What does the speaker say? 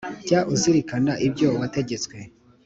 Jya uzirikana ibyo wategetswe